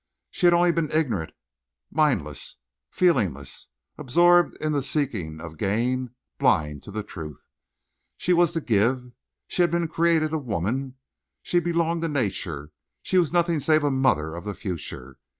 She had only been ignorant, mindless, feelingless, absorbed in the seeking of gain, blind to the truth. She had to give. She had been created a woman; she belonged to nature; she was nothing save a mother of the future.